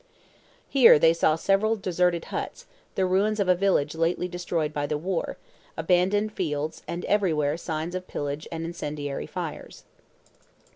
Here they saw several deserted huts, the ruins of a village lately destroyed by the war, abandoned fields, and everywhere signs of pillage and incendiary fires.